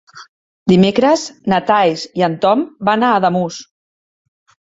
Dimecres na Thaís i en Tom van a Ademús.